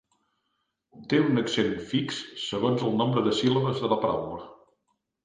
Té un accent fix segons el nombre de síl·labes de la paraula.